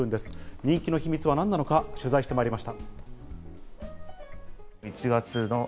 人気の秘密は何なのか取材してまいりました。